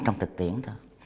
trong thực tiễn thôi